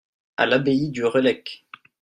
À l'abbaye du Relecq.